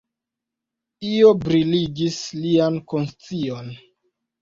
Io briligis lian konscion.